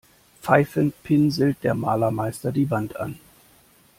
Pfeifend pinselt der Malermeister die Wand an.